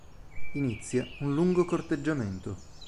Inizia un lungo corteggiamento.